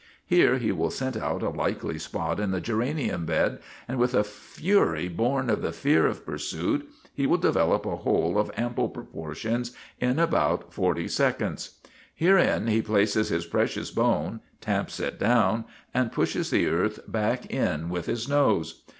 Here he will scent out a likely spot in the geranium bed, and with a fury born of the fear of pursuit, he will develop a hole of ample proportions in about forty seconds. Herein he places his precious bone, tamps it down, and pushes the earth back in with his nose.